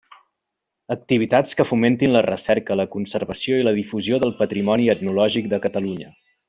Activitats que fomentin la recerca, la conservació i la difusió del patrimoni etnològic de Catalunya.